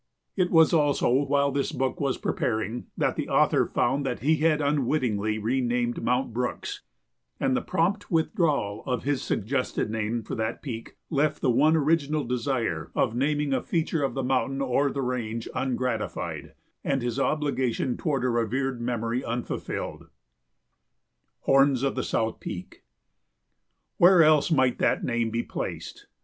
It was also while this book was preparing that the author found that he had unwittingly renamed Mount Brooks, and the prompt withdrawal of his suggested name for that peak left the one original desire of naming a feature of the mountain or the range ungratified, and his obligation toward a revered memory unfulfilled. [Sidenote: Horns of the South Peak] Where else might that name be placed?